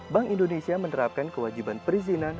bank indonesia menerapkan kewajiban perizinan